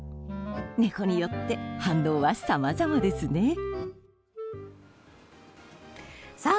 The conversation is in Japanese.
猫によって反応はさまざまですね。